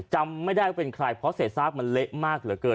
จำไม่ได้ว่าเป็นใครเพราะเศษซากมันเละมากเหลือเกิน